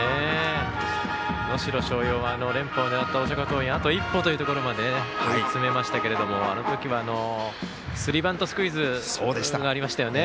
能代松陽は連覇を狙った大阪桐蔭をあと一歩というところまで追い詰めましたがあの時はスリーバントスクイズがありましたよね。